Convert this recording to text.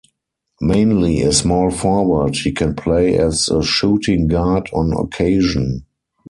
Mainly a small forward, he can play as a shooting guard on occasion.